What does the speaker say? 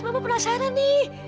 mama penasaran nih